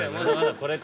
これ。